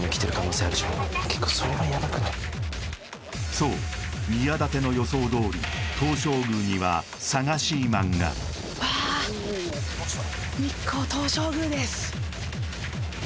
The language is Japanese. そう宮舘の予想どおり東照宮にはサガシマンがわあおおきました